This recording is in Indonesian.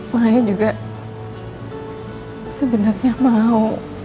maik juga sebenernya mau